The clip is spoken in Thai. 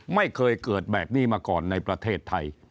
ไม่เคยเกิดแบบนี้มาก่อนในประเทศไทย